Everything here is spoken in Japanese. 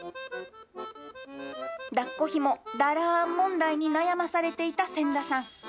だっこひもだらーん問題に悩まされていた仙田さん。